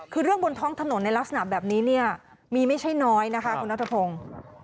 คือเรื่องบนท้องถนนในลักษณะแบบนี้เนี่ยมีไม่ใช่น้อยนะคะคุณนัทพงศ์